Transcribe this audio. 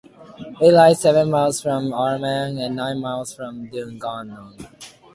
It lies seven miles from Armagh and nine miles from Dungannon.